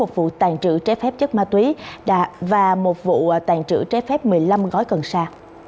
một vụ tàn trữ trái phép chất ma túy và một vụ tàn trữ trái phép một mươi năm gói cần sa